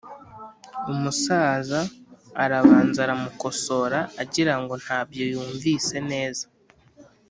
umusaza arabanza aramukosora agira ngo ntabyo yumvise neza